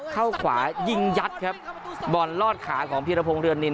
เข้าขวายิงยัดครับบอลลอดขาของพีรพงศ์เรือนนิน